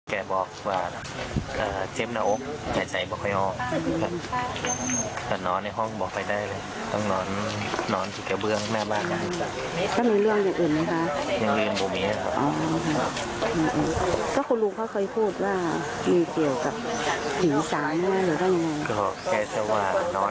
ก็แก้จะว่านอนในห้องแล้วมันเหมือนมีไข่มาพลดหน้าโอ๊ค